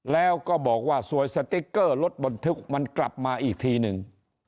แล้วก็บอกว่าสวยสติ๊กเกอร์รถบรรทุกมันกลับมาอีกทีหนึ่ง